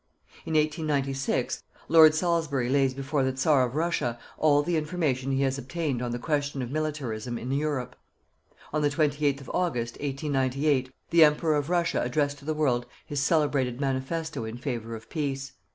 In 1896, Lord Salisbury lays before the Czar of Russia all the information he has obtained on the question of militarism in Europe. On the 28th of August, 1898, the Emperor of Russia addressed to the world his celebrated Manifesto in favour of peace.